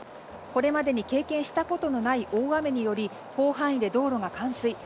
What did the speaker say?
これまでに経験したことがない大雨により広範囲で道路が冠水。